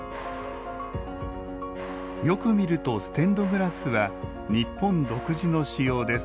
よく見るとステンドグラスは日本独自の仕様です。